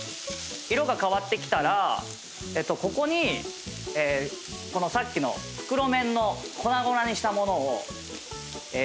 色が変わってきたらここにさっきの袋麺を粉々にした物を入れます。